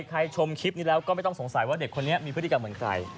ชมคลิปนี้แล้วก็ไม่ต้องสงสัยว่าเด็กคนนี้มีพฤติกรรมเหมือนใคร